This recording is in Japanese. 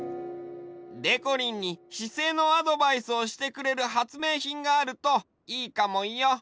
でこりんにしせいのアドバイスをしてくれるはつめいひんがあるといいかもよ。